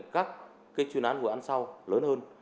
để các cái chuyên án vừa ăn sau lớn hơn